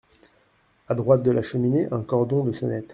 À droite de la cheminée, un cordon de sonnette.